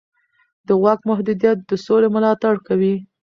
د واک محدودیت د سولې ملاتړ کوي